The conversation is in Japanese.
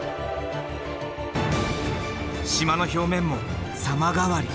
島の表面も様変わり。